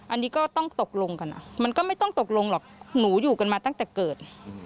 อันนี้ก็ต้องตกลงกันมันก็ไม่ต้องตกลงหรอกหนูอยู่กันมาตั้งแต่เกิด